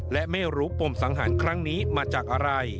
และไม่รู้ปมสังหารครั้งนี้มาจากอะไร